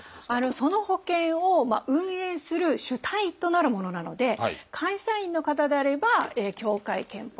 その保険を運営する主体となるものなので会社員の方であれば協会けんぽとか組合健保。